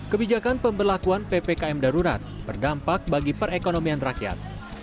kebijakan pemberlakuan ppkm darurat berdampak bagi perekonomian rakyat